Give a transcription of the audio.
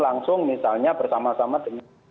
langsung misalnya bersama sama dengan